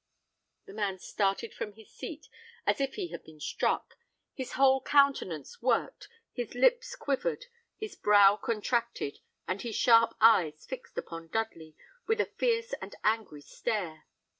The man started from his seat as if he had been struck; his whole countenance worked, his lips quivered, his brow contracted, and his sharp eyes fixed upon Dudley, with a fierce and angry stare.